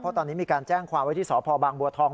เพราะตอนนี้มีการแจ้งความไว้ที่สพบางบัวทอง